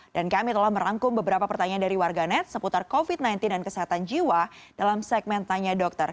dan kami telah merangkum beberapa pertanyaan dari warganet seputar covid sembilan belas dan kesehatan jiwa dalam segmen tanya dokter